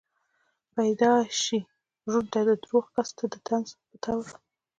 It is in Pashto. پېدائشي ړوند ته دَروغ کس ته دطنز پۀ طور